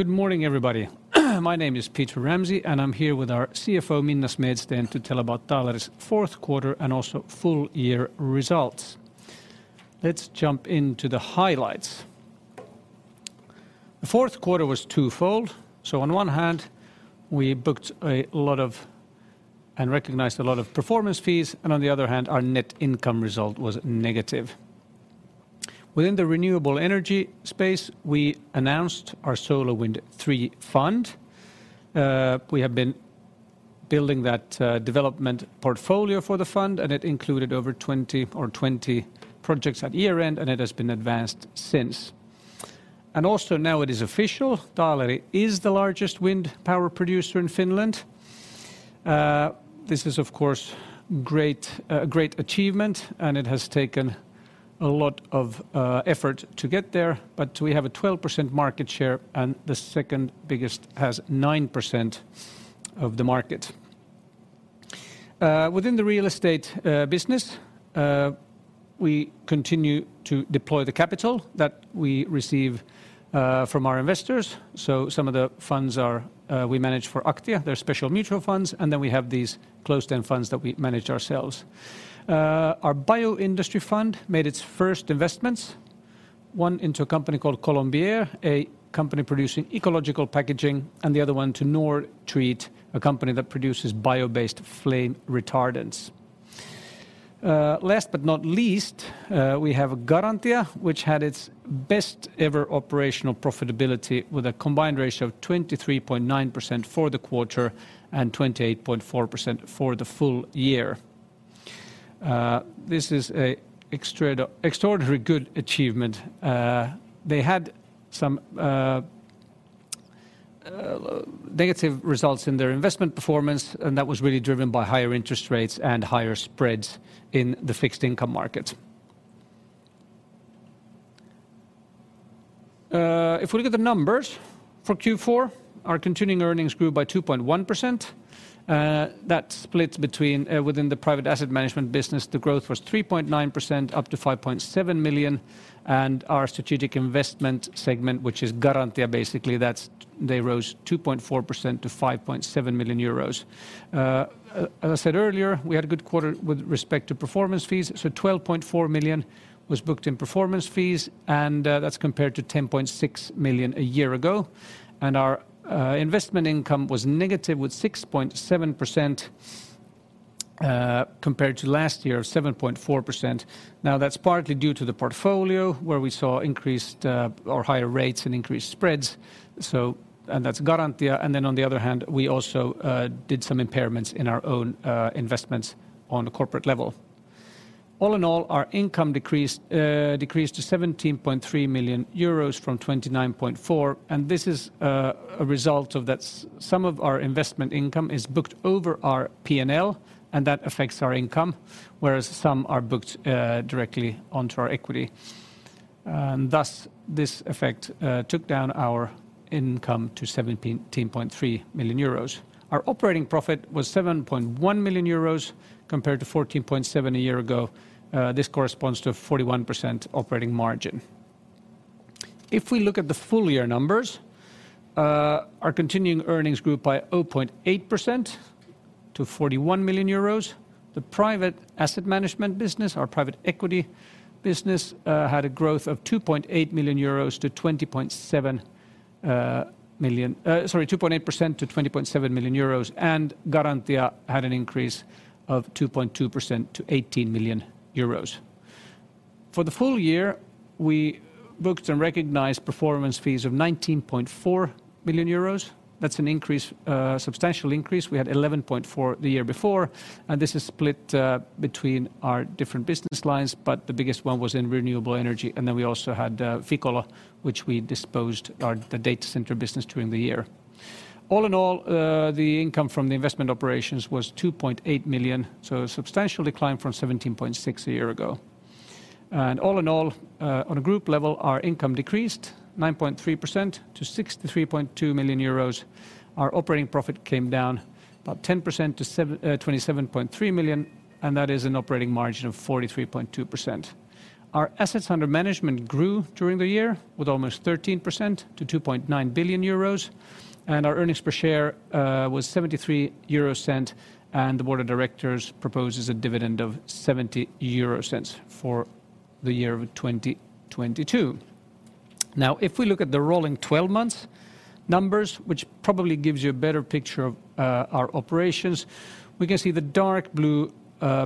Good morning, everybody. My name is Peter Ramsay. I'm here with our CFO, Minna Smedsten, to tell about Taaleri's fourth quarter and also full year results. Let's jump into the highlights. The fourth quarter was twofold. On one hand, we booked a lot of and recognized a lot of performance fees. On the other hand, our net income result was negative. Within the renewable energy space, we announced our SolarWind III fund. We have been building that development portfolio for the fund. It included over 20 projects at year-end, and it has been advanced since. Also now it is official, Taaleri is the largest wind power producer in Finland. This is of course great, a great achievement, and it has taken a lot of effort to get there, but we have a 12% market share, and the second biggest has 9% of the market. Within the real estate business, we continue to deploy the capital that we receive from our investors. Some of the funds are, we manage for Aktia, they're special mutual funds, then we have these closed-end funds that we manage ourselves. Our bio-industry fund made its first investments, one into a company called Colombier, a company producing ecological packaging, and the other one to Nordtreat, a company that produces bio-based flame retardants. Last but not least, we have Garantia, which had its best ever operational profitability with a combined ratio of 23.9% for the quarter and 28.4% for the full year. This is a extraordinary good achievement. They had some negative results in their investment performance, that was really driven by higher interest rates and higher spreads in the fixed income markets. If we look at the numbers for Q4, our continuing earnings grew by 2.1%. That splits between, within the private asset management business, the growth was 3.9% up to 5.7 million, our strategic investment segment, which is Garantia, basically, they rose 2.4% to 5.7 million euros. As I said earlier, we had a good quarter with respect to performance fees. 12.4 million was booked in performance fees, that's compared to 10.6 million a year ago. Our investment income was negative with 6.7% compared to last year of 7.4%. That's partly due to the portfolio where we saw increased or higher rates and increased spreads. That's Garantia. On the other hand, we also did some impairments in our own investments on a corporate level. All in all, our income decreased to 17.3 million euros from 29.4 million, and this is a result of that some of our investment income is booked over our P&L, and that affects our income, whereas some are booked directly onto our equity. Thus, this effect took down our income to 17.3 million euros. Our operating profit was 7.1 million euros compared to 14.7 million a year ago. This corresponds to a 41% operating margin. If we look at the full year numbers, our continuing earnings grew by 0.8% to 41 million euros. The private asset management business, our private equity business, had a growth of 2.8 million euros to 20.7 million euros. Sorry, 2.8% to 20.7 million euros. Garantia had an increase of 2.2% to 18 million euros. For the full year, we booked and recognized performance fees of 19.4 million euros. That's an increase, substantial increase. We had 11.4 million the year before. This is split between our different business lines, the biggest one was in renewable energy. We also had Ficolo, which we disposed the data center business during the year. The income from the investment operations was 2.8 million, a substantial decline from 17.6 million a year ago. On a group level, our income decreased 9.3% to 63.2 million euros. Our operating profit came down about 10% to 27.3 million. That is an operating margin of 43.2%. Our assets under management grew during the year with almost 13% to 2.9 billion euros. Our earnings per share was 0.73, and the board of directors proposes a dividend of 0.70 for the year of 2022. If we look at the rolling 12-month numbers, which probably gives you a better picture of our operations, we can see the dark blue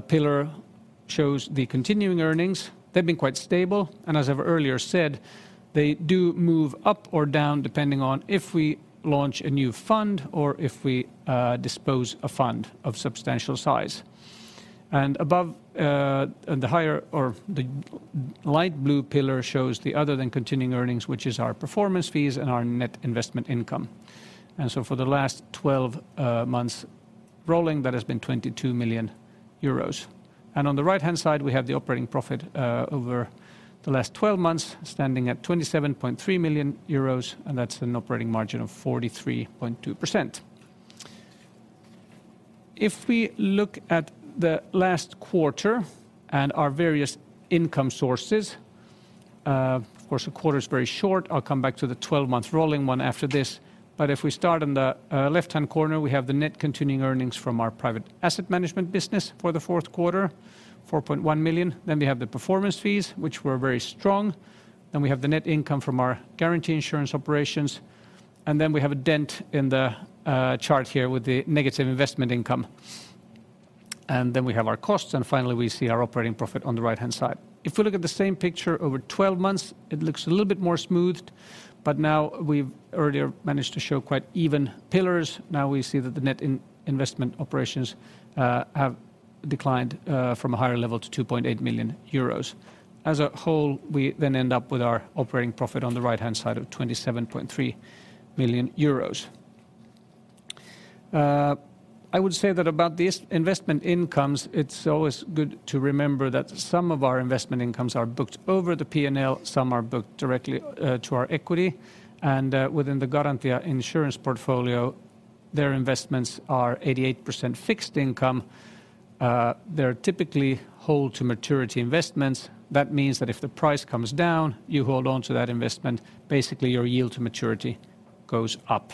pillar shows the continuing earnings. They've been quite stable. As I've earlier said, they do move up or down depending on if we launch a new fund or if we dispose a fund of substantial size. Above, the higher or the light blue pillar shows the other than continuing earnings, which is our performance fees and our net investment income. For the last 12 months rolling, that has been 22 million euros. On the right-hand side, we have the operating profit over the last 12 months standing at 27.3 million euros, and that's an operating margin of 43.2%. If we look at the last quarter and our various income sources, of course, the quarter is very short. I'll come back to the 12-month rolling one after this. If we start in the left-hand corner, we have the net continuing earnings from our private asset management business for the fourth quarter, 4.1 million. We have the performance fees, which were very strong. We have the net income from our guarantee insurance operations. We have a dent in the chart here with the negative investment income. We have our costs, and finally, we see our operating profit on the right-hand side. We look at the same picture over 12 months, it looks a little bit more smoothed, but now we've earlier managed to show quite even pillars. We see that the net investment operations have declined from a higher level to 2.8 million euros. As a whole, we end up with our operating profit on the right-hand side of 27.3 million euros. I would say that about these investment incomes, it's always good to remember that some of our investment incomes are booked over the P&L, some are booked directly to our equity. Within the Garantia insurance portfolio, their investments are 88% fixed income. They're typically hold-to-maturity investments. That means that if the price comes down, you hold on to that investment. Basically, your yield to maturity goes up.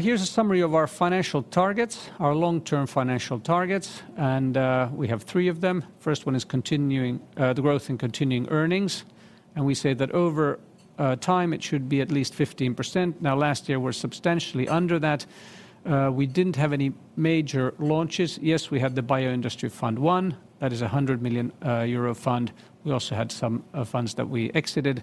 Here's a summary of our financial targets, our long-term financial targets, we have three of them. First one is the growth in continuing earnings, and we say that over time, it should be at least 15%. Last year, we're substantially under that. We didn't have any major launches. We had the Bioindustry Fund I. That is a 100 million euro fund. We also had some funds that we exited,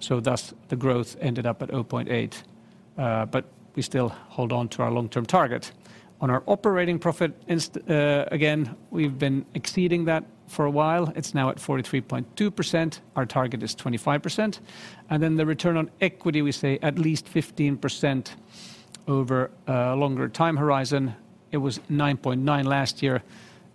so thus the growth ended up at 0.8%. We still hold on to our long-term target. On our operating profit, again, we've been exceeding that for a while. It's now at 43.2%. Our target is 25%. The return on equity, we say at least 15% over a longer time horizon. It was 9.9% last year.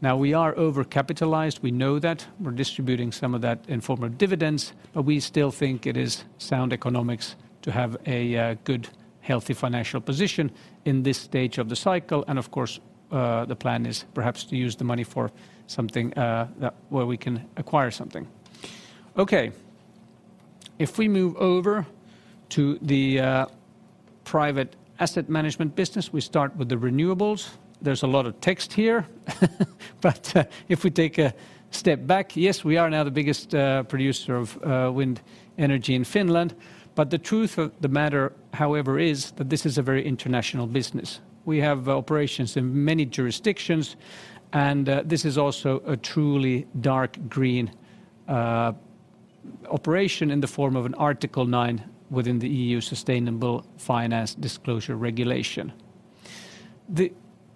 Now, we are overcapitalized. We know that. We're distributing some of that in form of dividends, but we still think it is sound economics to have a good, healthy financial position in this stage of the cycle. Of course, the plan is perhaps to use the money for something where we can acquire something. Okay. If we move over to the private asset management business, we start with the renewables. There's a lot of text here, but if we take a step back, yes, we are now the biggest producer of wind energy in Finland. The truth of the matter, however, is that this is a very international business. We have operations in many jurisdictions, and this is also a truly dark green operation in the form of an Article 9 within the EU Sustainable Finance Disclosure Regulation. The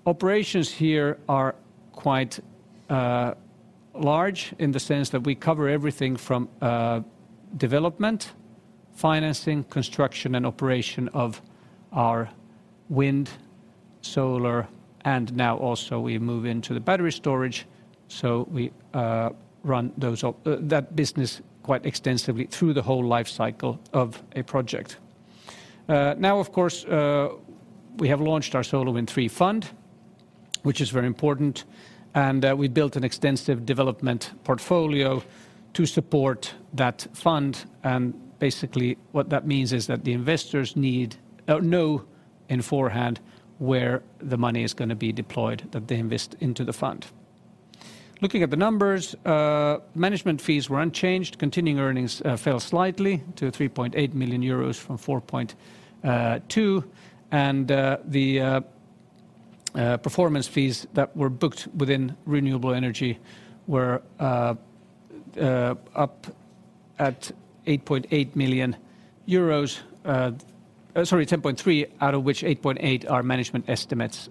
operations here are quite large in the sense that we cover everything from development, financing, construction, and operation of our wind, solar, and now also we move into the battery storage. We run that business quite extensively through the whole life cycle of a project. Now, of course, we have launched our SolarWind III Fund, which is very important. We built an extensive development portfolio to support that fund. Basically, what that means is that the investors need know in forehand where the money is gonna be deployed, that they invest into the fund. Looking at the numbers, management fees were unchanged. Continuing earnings fell slightly to 3.8 million euros from 4.2. The performance fees that were booked within renewable energy were up at 8.8 million euros. Sorry, 10.3, out of which 8.8 are management estimates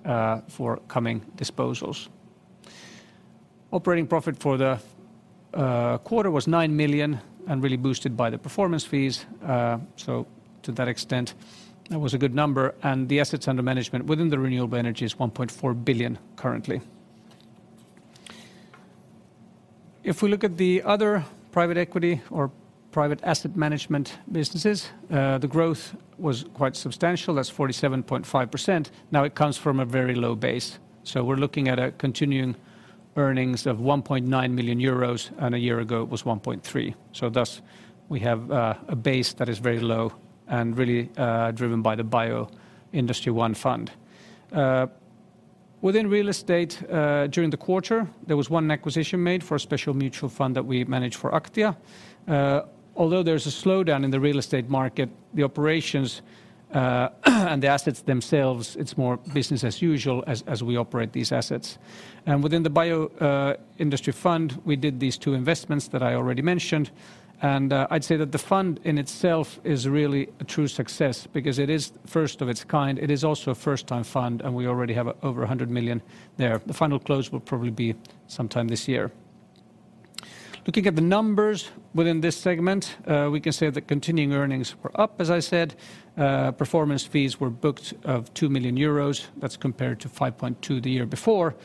for coming disposals. Operating profit for the quarter was 9 million and really boosted by the performance fees. To that extent, that was a good number. The assets under management within the renewable energy is 1.4 billion currently. If we look at the other private equity or private asset management businesses, the growth was quite substantial. That's 47.5%. It comes from a very low base, so we're looking at a continuing earnings of 1.9 million euros, and a year ago it was 1.3 million. Thus, we have a base that is very low and really driven by the Bioindustry I Fund. Within real estate, during the quarter, there was 1 acquisition made for a special mutual fund that we manage for Aktia. Although there's a slowdown in the real estate market, the operations and the assets themselves, it's more business as usual as we operate these assets. Within the bioindustry fund, we did these two investments that I already mentioned. I'd say that the fund in itself is really a true success because it is first of its kind. It is also a first-time fund, and we already have over 100 million there. The final close will probably be sometime this year. Looking at the numbers within this segment, we can say that continuing earnings were up, as I said. Performance fees were booked of 2 million euros. That's compared to 5.2 million the year before.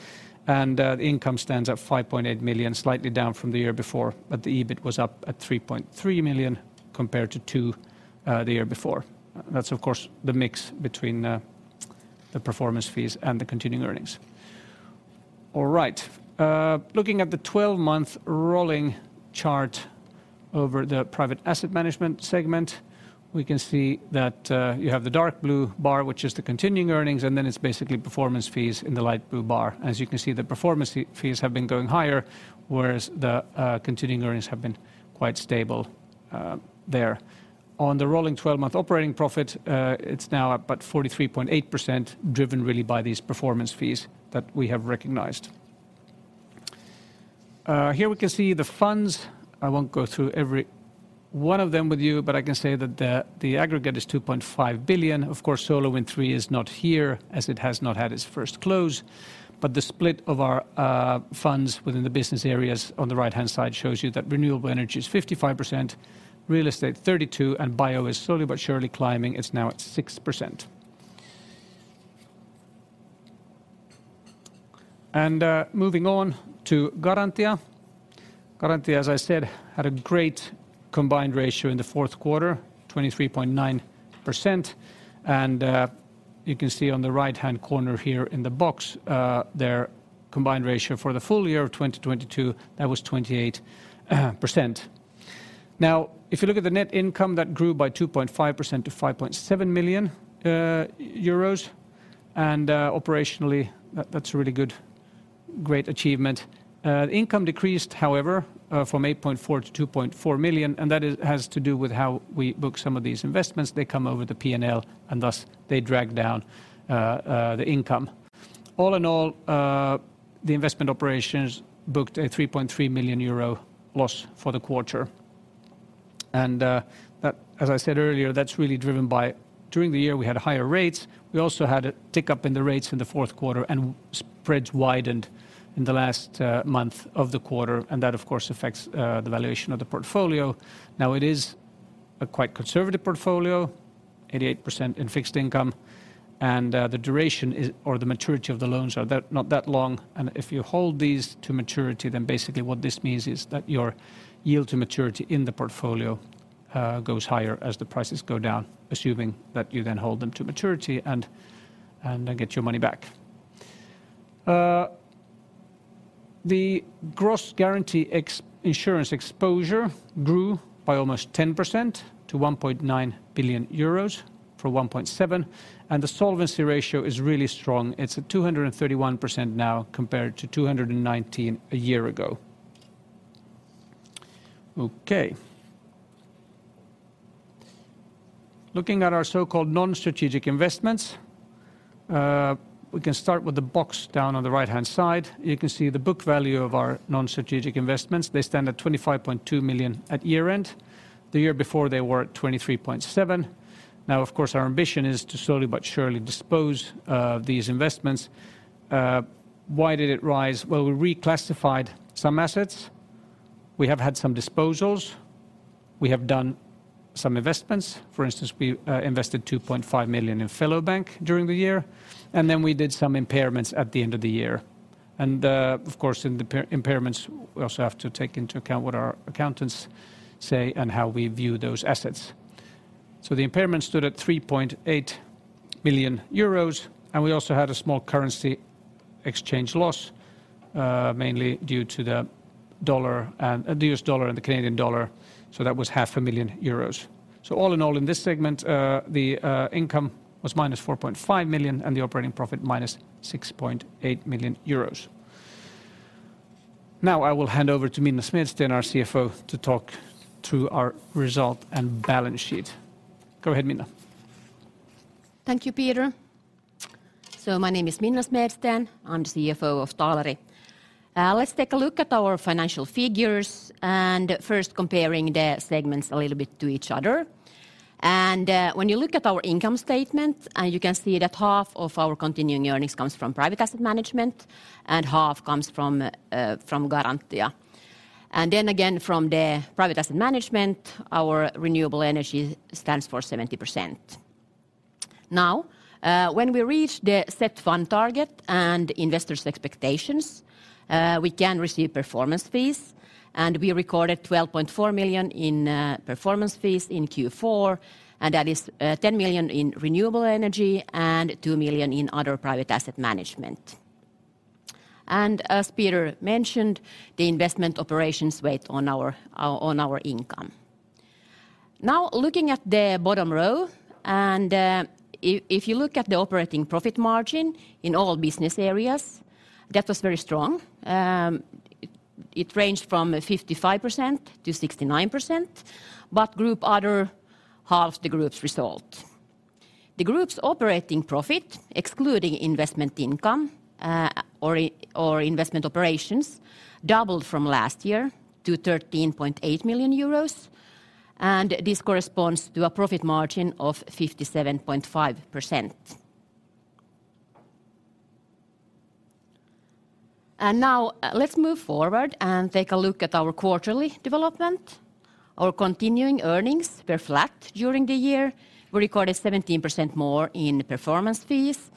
The income stands at 5.8 million, slightly down from the year before, but the EBIT was up at 3.3 million. Compared to 2 million the year before. That's of course the mix between the performance fees and the continuing earnings. All right. Looking at the 12-month rolling chart over the private asset management segment, we can see that you have the dark blue bar, which is the continuing earnings, and then it's basically performance fees in the light blue bar. As you can see, the performance fees have been going higher, whereas the continuing earnings have been quite stable there. On the rolling 12-month operating profit, it's now up about 43.8%, driven really by these performance fees that we have recognized. Here we can see the funds. I won't go through every one of them with you, I can say that the aggregate is 2.5 billion. Of course, Taaleri SolarWind III is not here as it has not had its first close. The split of our funds within the business areas on the right-hand side shows you that renewable energy is 55%, real estate 32%, and bio is slowly but surely climbing. It's now at 6%. Moving on to Garantia. Garantia, as I said, had a great combined ratio in the fourth quarter, 23.9%. You can see on the right-hand corner here in the box, their combined ratio for the full year of 2022, that was 28%. Now, if you look at the net income that grew by 2.5% to 5.7 million euros, and operationally that's a really good, great achievement. Income decreased, however, from 8.4 million to 2.4 million, and that has to do with how we book some of these investments. They come over the P&L, thus they drag down the income. All in all, the investment operations booked a 3.3 million euro loss for the quarter. As I said earlier, that's really driven by during the year we had higher rates. We also had a tick up in the rates in the fourth quarter and spreads widened in the last month of the quarter, and that of course affects the valuation of the portfolio. Now it is a quite conservative portfolio, 88% in fixed income, and the duration is or the maturity of the loans are not that long. If you hold these to maturity, then basically what this means is that your yield to maturity in the portfolio goes higher as the prices go down, assuming that you then hold them to maturity and then get your money back. The gross guarantee insurance exposure grew by almost 10% to 1.9 billion euros from 1.7 billion, and the solvency ratio is really strong. It's at 231% now compared to 219% a year ago. Okay. Looking at our so-called non-strategic investments, we can start with the box down on the right-hand side. You can see the book value of our non-strategic investments. They stand at 25.2 million at year-end. The year before they were at 23.7 million. Of course, our ambition is to slowly but surely dispose of these investments. Why did it rise? Well, we reclassified some assets. We have had some disposals. We have done some investments. For instance, we invested 2.5 million in Fellow Bank during the year, we did some impairments at the end of the year. Of course, in the impairments, we also have to take into account what our accountants say and how we view those assets. The impairment stood at 3.8 million euros, we also had a small currency exchange loss, mainly due to the US dollar and the Canadian dollar, that was half a million euros. All in all, in this segment, the income was minus 4.5 million and the operating profit minus 6.8 million euros. Now I will hand over to Minna Smedsten, our CFO, to talk through our result and balance sheet. Go ahead, Minna. Thank you, Peter. My name is Minna Smedsten. I'm the CFO of Taaleri. Let's take a look at our financial figures and first comparing the segments a little bit to each other. When you look at our income statement, you can see that half of our continuing earnings comes from private asset management and half comes from Garantia. From the private asset management, our renewable energy stands for 70%. Now, when we reach the set fund target and investors' expectations, we can receive performance fees. We recorded 12.4 million in performance fees in Q4. That is 10 million in renewable energy and 2 million in other private asset management. As Peter mentioned, the investment operations weighed on our income. Now looking at the bottom row, and if you look at the operating profit margin in all business areas, that was very strong. It ranged from 55%-69%, but Group Other halves the group's result. The group's operating profit, excluding investment income, or investment operations, doubled from last year to 13.8 million euros, and this corresponds to a profit margin of 57.5%. Now let's move forward and take a look at our quarterly development. Our continuing earnings were flat during the year. We recorded 17% more in performance fees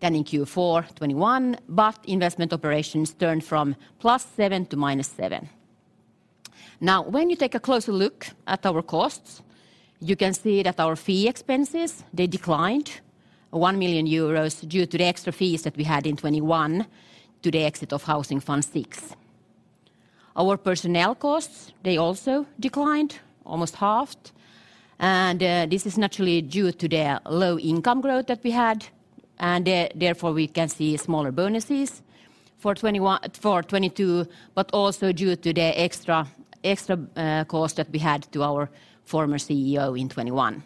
than in Q4 2021, but investment operations turned from plus 7 to minus 7. Now, when you take a closer look at our costs, you can see that our fee expenses, they declined 1 million euros due to the extra fees that we had in 2021 to the exit of housing funds VI. Our personnel costs, they also declined, almost halved. This is naturally due to the low income growth that we had, and therefore we can see smaller bonuses for 2022, but also due to the extra cost that we had to our former CEO in 2021.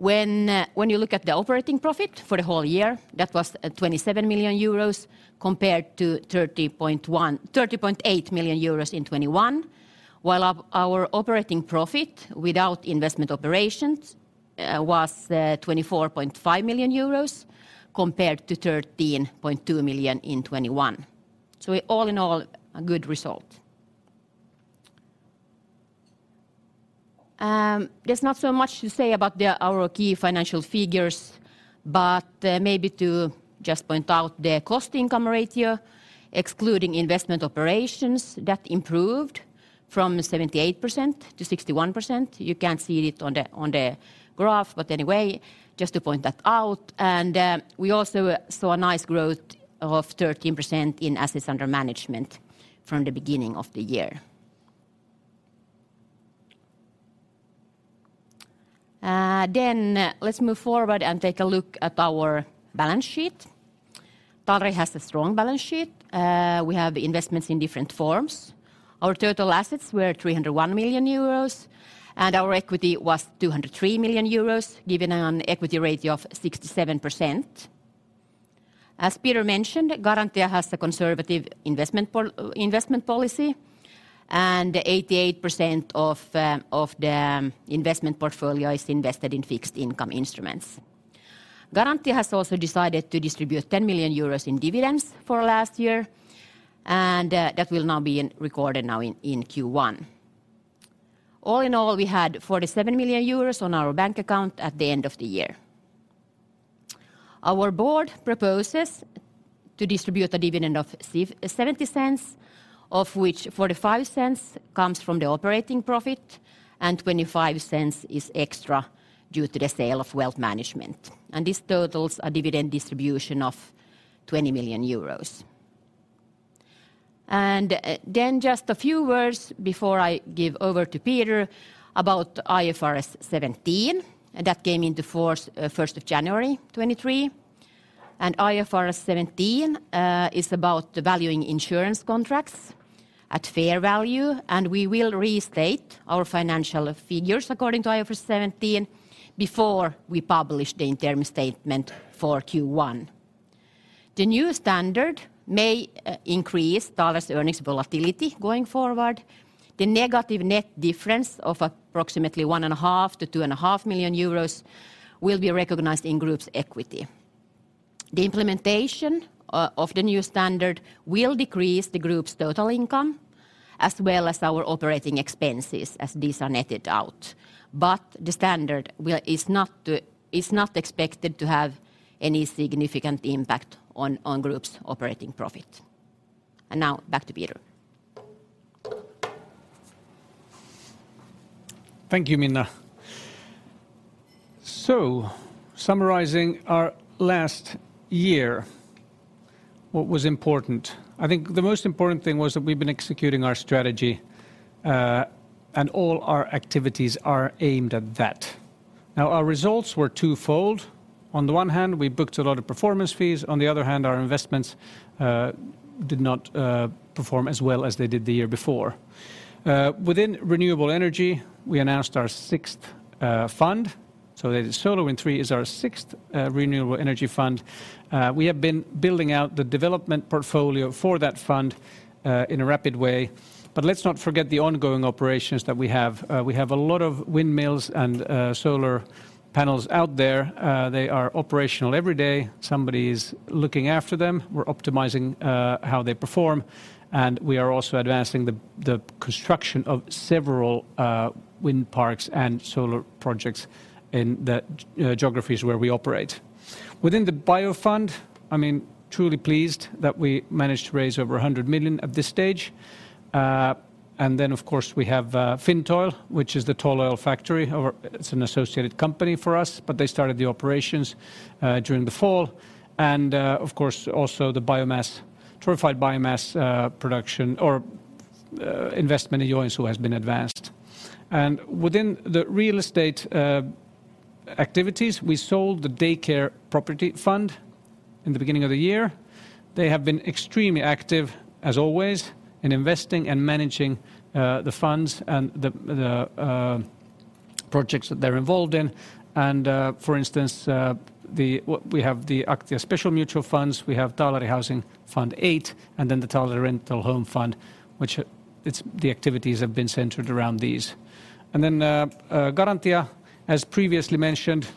When you look at the operating profit for the whole year, that was at 27 million euros compared to 30.8 million euros in 2021. While our operating profit without investment operations was 24.5 million euros compared to 13.2 million in 2021. All in all, a good result. There's not so much to say about our key financial figures, but maybe to just point out the cost income ratio, excluding investment operations, that improved from 78% to 61%. You can see it on the graph. Anyway, just to point that out. We also saw a nice growth of 13% in assets under management from the beginning of the year. Let's move forward and take a look at our balance sheet. Taaleri has a strong balance sheet. We have investments in different forms. Our total assets were 301 million euros, and our equity was 203 million euros, giving an equity ratio of 67%. As Peter mentioned, Garantia has a conservative investment policy, and 88% of the investment portfolio is invested in fixed income instruments. Garantia has also decided to distribute 10 million euros in dividends for last year, and that will now be recorded now in Q1. All in all, we had 47 million euros on our bank account at the end of the year. Our board proposes to distribute a dividend of 0.70, of which 0.45 comes from the operating profit, and 0.25 is extra due to the sale of wealth management. This totals a dividend distribution of 20 million euros. Just a few words before I give over to Peter about IFRS 17 that came into force, first of January 2023. IFRS 17 is about valuing insurance contracts at fair value, and we will restate our financial figures according to IFRS 17 before we publish the interim statement for Q1. The new standard may increase Taaleri's earnings volatility going forward. The negative net difference of approximately 1.5 million-2.5 million euros will be recognized in group's equity. The implementation of the new standard will decrease the group's total income, as well as our operating expenses as these are netted out. The standard is not expected to have any significant impact on group's operating profit. Now back to Peter. Thank you, Minna. Summarizing our last year, what was important? I think the most important thing was that we've been executing our strategy, and all our activities are aimed at that. Our results were twofold. On the one hand, we booked a lot of performance fees, on the other hand, our investments did not perform as well as they did the year before. Within renewable energy, we announced our sixth fund, so that Taaleri SolarWind III is our sixth renewable energy fund. We have been building out the development portfolio for that fund in a rapid way. Let's not forget the ongoing operations that we have. We have a lot of windmills and solar panels out there. They are operational every day. Somebody's looking after them. We're optimizing how they perform, and we are also advancing the construction of several wind parks and solar projects in the geographies where we operate. Within the Bio Fund, I mean, truly pleased that we managed to raise over 100 million at this stage. Of course we have Fintoil, which is the tall oil factory, or it's an associated company for us, but they started the operations during the fall. Of course also the torrefied biomass production or investment in Joensuu has been advanced. Within the real estate activities, we sold the daycare property fund in the beginning of the year. They have been extremely active, as always, in investing and managing the funds and the projects that they're involved in. For instance, we have the Aktia special mutual funds, we have Taaleri Housing Fund VIII, the Taaleri Rental Home Fund, which it's the activities have been centered around these. Garantia, as previously mentioned,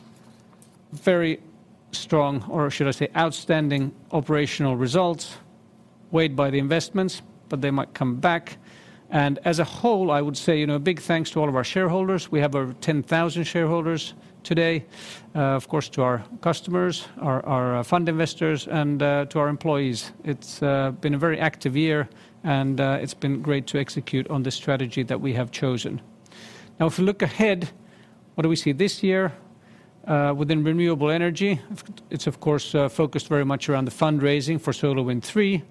very strong, or should I say outstanding operational results weighed by the investments, but they might come back. As a whole, I would say, you know, big thanks to all of our shareholders. We have over 10,000 shareholders today. Of course to our customers, our fund investors, and to our employees. It's been a very active year and it's been great to execute on the strategy that we have chosen. If you look ahead. What do we see this year within renewable energy? It's focused very much around the fundraising for SolarWind III.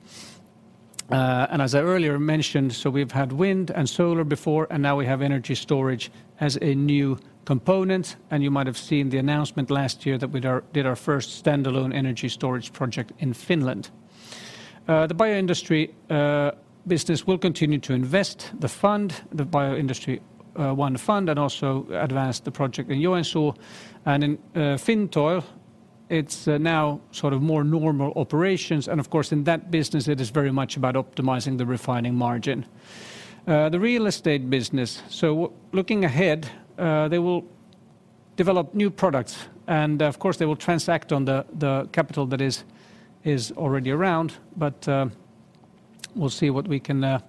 As I earlier mentioned, so we've had wind and solar before, and now we have energy storage as a new component. You might have seen the announcement last year that we did our first standalone energy storage project in Finland. The bioindustry business will continue to invest the fund, the Bioindustry I Fund, and also advance the project in Joensuu. In Fintoil, it's now sort of more normal operations, and of course, in that business it is very much about optimizing the refining margin. The real estate business, so looking ahead, they will develop new products, and of course, they will transact on the capital that is already around. We'll see what we can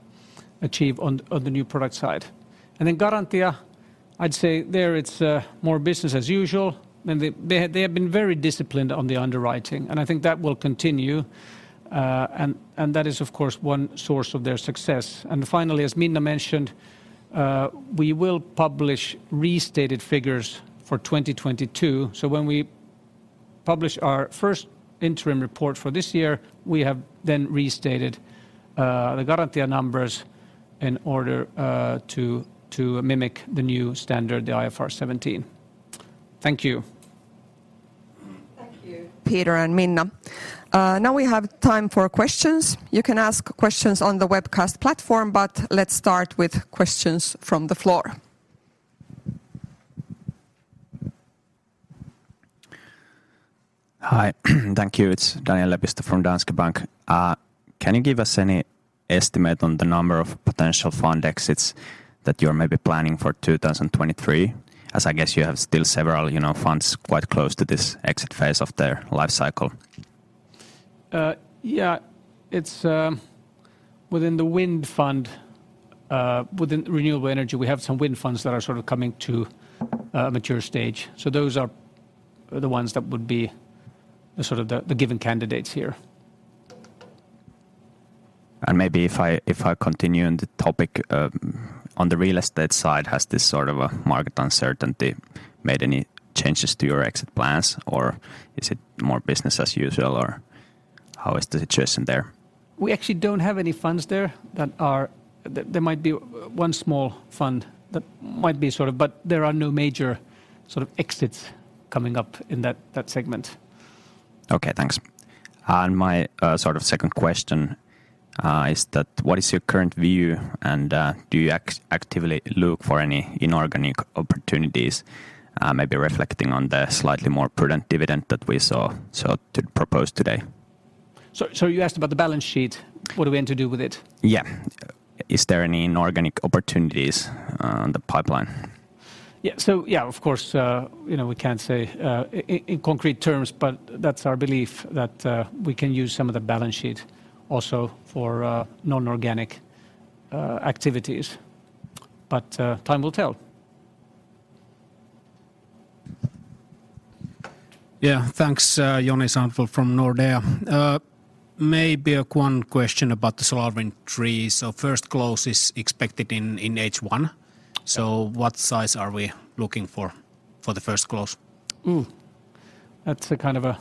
achieve on the new product side. Garantia, I'd say there it's more business as usual. They have been very disciplined on the underwriting, and I think that will continue. That is of course one source of their success. Finally, as Minna mentioned, we will publish restated figures for 2022. When we publish our first interim report for this year, we have then restated the Garantia numbers in order to mimic the new standard, the IFRS 17. Thank you. Thank you, Peter and Minna. Now we have time for questions. You can ask questions on the webcast platform, but let's start with questions from the floor. Hi. Thank you. It's Daniel Lepistö from Danske Bank. Can you give us any estimate on the number of potential fund exits that you're maybe planning for 2023, as I guess you have still several, you know, funds quite close to this exit phase of their life cycle? Yeah, it's, within the wind fund, within renewable energy, we have some wind funds that are sort of coming to a mature stage, so those are the ones that would be the sort of the given candidates here. Maybe if I continue on the topic, on the real estate side, has this sort of a market uncertainty made any changes to your exit plans, or is it more business as usual, or how is the situation there? We actually don't have any funds there that are. There might be one small fund that might be sort of, but there are no major sort of exits coming up in that segment. Okay, thanks. My, sort of second question, is that what is your current view, and, do you actively look for any inorganic opportunities, maybe reflecting on the slightly more prudent dividend that we saw proposed today? You asked about the balance sheet, what are we going to do with it? Yeah. Is there any inorganic opportunities on the pipeline? Yeah. Of course, you know, we can't say, in concrete terms, but that's our belief that we can use some of the balance sheet also for non-organic activities, but time will tell. Yeah. Thanks. Joni Sandvall from Nordea. Maybe one question about the SolarWind III. First close is expected in H1. What size are we looking for the first close? Ooh. That's a kind of a,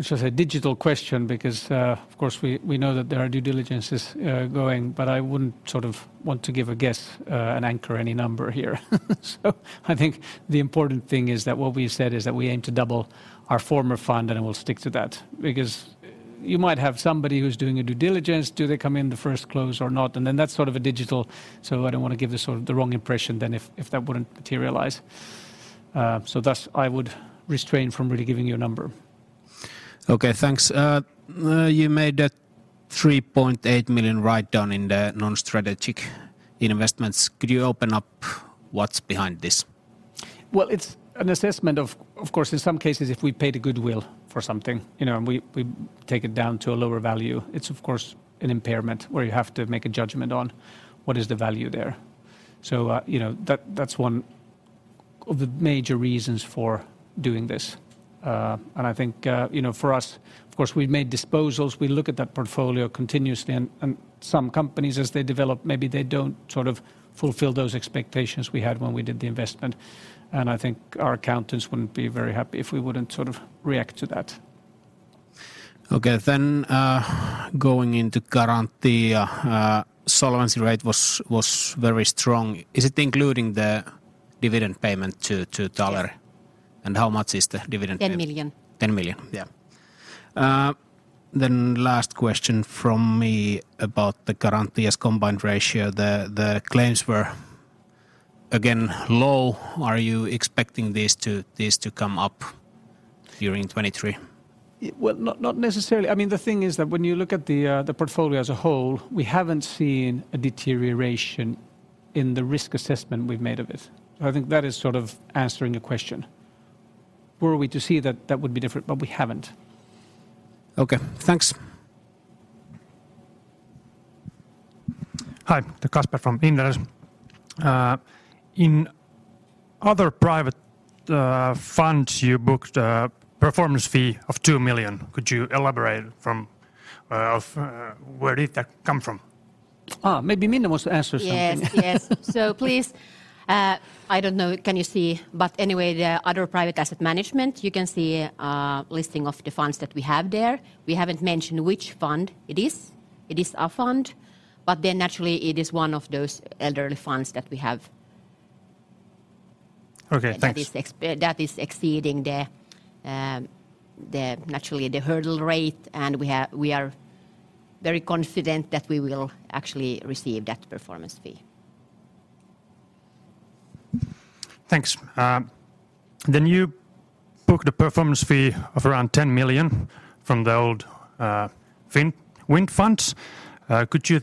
let's just say, digital question because, of course we know that there are due diligences going, but I wouldn't sort of want to give a guess, an anchor, any number here. I think the important thing is that what we've said is that we aim to double our former fund, and we'll stick to that because you might have somebody who's doing a due diligence, do they come in the first close or not? Then that's sort of a digital, so I don't wanna give the sort of the wrong impression than if that wouldn't materialize. Thus, I would restrain from really giving you a number. Okay, thanks. You made a 3.8 million write-down in the non-strategic investments. Could you open up what's behind this? It's an assessment of. Of course, in some cases, if we paid a goodwill for something, you know, and we take it down to a lower value, it's of course an impairment where you have to make a judgment on what is the value there. You know, that's one of the major reasons for doing this. I think, you know, for us, of course, we've made disposals. We look at that portfolio continuously and some companies as they develop, maybe they don't sort of fulfill those expectations we had when we did the investment, and I think our accountants wouldn't be very happy if we wouldn't sort of react to that. Going into Garantia, solvency rate was very strong. Is it including the dividend payment to Taaleri? Yeah. How much is the dividend? 10 million. 10 million? Yeah. Last question from me about the Garantia's combined ratio. The claims were again low. Are you expecting this to come up during 2023? Well, not necessarily. I mean, the thing is that when you look at the portfolio as a whole, we haven't seen a deterioration in the risk assessment we've made of it. I think that is sort of answering your question. Were we to see that would be different, but we haven't. Okay, thanks. Hi. To Kasper from Inderes. In other private funds, you booked a performance fee of 2 million. Could you elaborate from where did that come from? maybe Minna wants to answer something. Yes, yes. Please, I don't know, can you see? Anyway, the other private asset management, you can see a listing of the funds that we have there. We haven't mentioned which fund it is. It is our fund, naturally it is one of those elderly funds that we have. Okay, thanks. That is exceeding the naturally the hurdle rate. We are very confident that we will actually receive that performance fee. Thanks. You booked a performance fee of around 10 million from the old, wind funds. Could you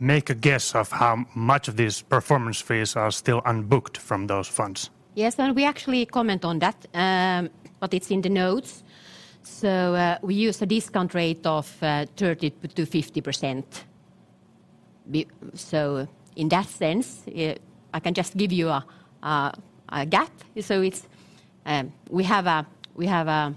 make a guess of how much of these performance fees are still unbooked from those funds? Well, we actually comment on that, but it's in the notes. We use a discount rate of 30%-50%. In that sense, I can just give you a gap. It's, we have a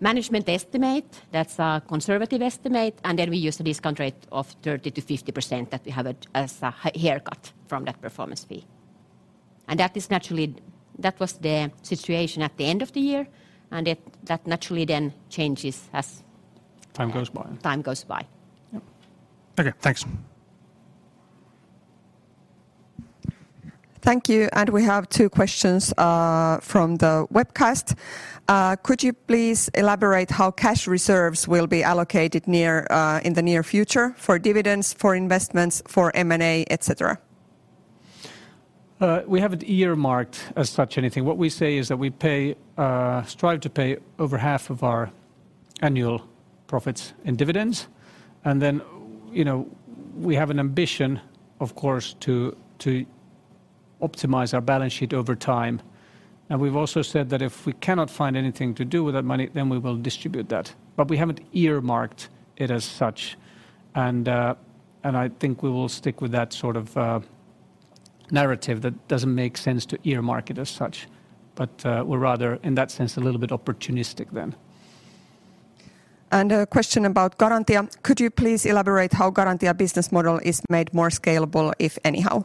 management estimate that's a conservative estimate, and then we use a discount rate of 30%-50% that we have as a haircut from that performance fee. That was the situation at the end of the year, and that naturally then changes as. Time goes by. time goes by. Yep. Okay, thanks. Thank you. We have two questions from the webcast. Could you please elaborate how cash reserves will be allocated in the near future for dividends, for investments, for M&A, et cetera? We haven't earmarked as such anything. What we say is that we pay, strive to pay over half of our annual profits and dividends, and then, you know, we have an ambition, of course, to optimize our balance sheet over time. We've also said that if we cannot find anything to do with that money, then we will distribute that. We haven't earmarked it as such. I think we will stick with that sort of narrative that doesn't make sense to earmark it as such. We're rather in that sense a little bit opportunistic then. A question about Garantia. Could you please elaborate how Garantia business model is made more scalable, if anyhow?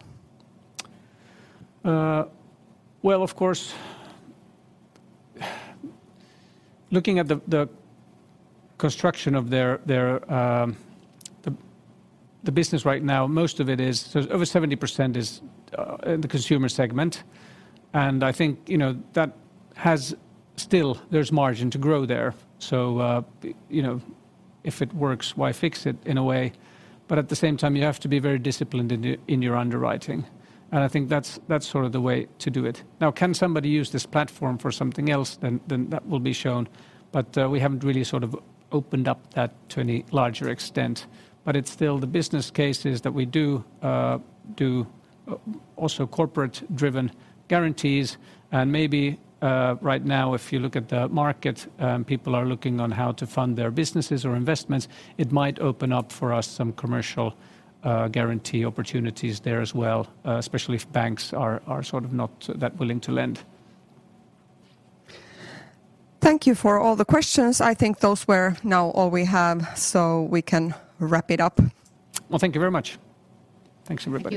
Well, of course, looking at the construction of their, the business right now, most of it is, so over 70% is in the consumer segment. I think, you know, that has still there's margin to grow there. You know, if it works, why fix it in a way? At the same time, you have to be very disciplined in your, in your underwriting, and I think that's sort of the way to do it. Now, can somebody use this platform for something else, then that will be shown. We haven't really sort of opened up that to any larger extent. It's still the business cases that we do, also corporate-driven guarantees and maybe, right now if you look at the market, people are looking on how to fund their businesses or investments, it might open up for us some commercial, guarantee opportunities there as well, especially if banks are sort of not that willing to lend. Thank you for all the questions. I think those were now all we have, so we can wrap it up. Well, thank you very much. Thanks everybody.